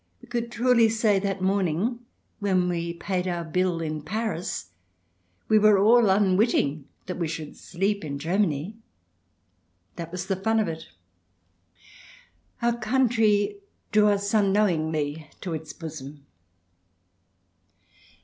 We could truly say, that morning when we paid our bill in Paris, we were all unwitting that we should sleep in Germany. That was the fun of it. Our country drew us unknowingly to its bosom.